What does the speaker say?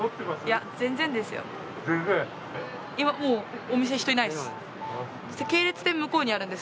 もうお店、人いないです。